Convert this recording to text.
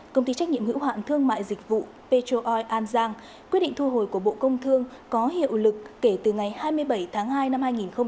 công ty trách nhiệm hữu hạn thương mại dịch vụ petroi an giang quyết định thu hồi của bộ công thương có hiệu lực kể từ ngày hai mươi bảy tháng hai năm hai nghìn hai mươi